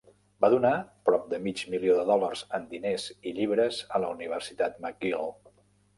Va donar prop de mig milió de dòlars en diners i llibres a la Universitat McGill.